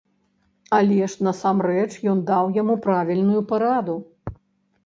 Але ж насамрэч ён даў яму правільную параду.